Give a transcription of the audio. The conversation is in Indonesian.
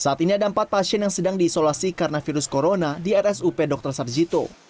saat ini ada empat pasien yang sedang diisolasi karena virus corona di rsup dr sarjito